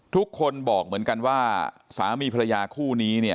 ทุกคนบอกเหมือนกันว่าสามีภรรยาคู่นี้เนี่ย